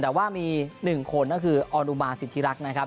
แต่ว่ามีหนึ่งคนนั่นคืออนุมาสิรธรัก